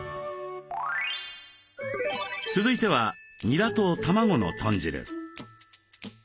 続いてはにらと卵の豚汁。